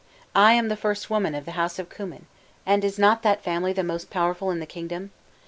I am the first woman of the house of Cummin; and is not that family the most powerful in the kingdom?